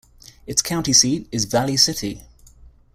Its county seat is Valley City.